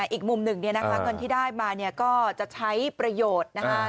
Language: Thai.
อีกมุมหนึ่งเนี่ยนะคะเงินที่ได้มาเนี่ยก็จะใช้ประโยชน์นะคะ